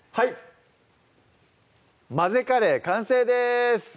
「混ぜカレー」完成です